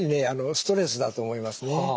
ストレスだと思いますね。